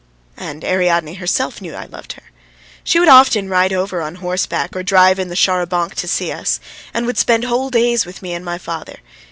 And Ariadne herself knew that I loved her. She would often ride over on horseback or drive in the char à banc to see us, and would spend whole days with me and my father.